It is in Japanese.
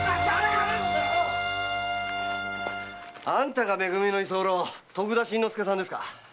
あんたがめ組の居候の徳田新之助さんですか。